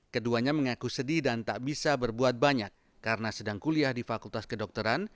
keduanya mengaku sedih dan tak bisa berbuat banyak karena sedang kuliah di fakultas kedokteran